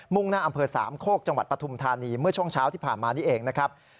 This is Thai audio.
่งหน้าอำเภอสามโคกจังหวัดปฐุมธานีเมื่อช่วงเช้าที่ผ่านมานี่เองนะครับ